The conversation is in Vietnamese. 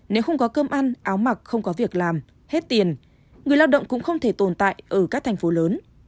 nếu không có cơm ăn áo mặc không có việc làm hết tiền người lao động cũng không thể tồn tại ở các thành phố lớn